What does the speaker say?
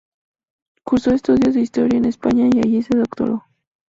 Cursó estudios de Historia en España y allí se doctoró.